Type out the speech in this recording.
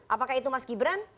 apakah itu mas gibran